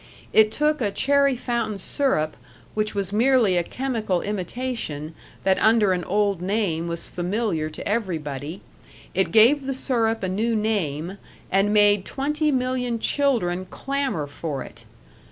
It took a cherry fountain syrup which was merely a chemical imitation that under an old name was familiar to everybody; it gave the syrup a new name, and made twenty million children clamor for it.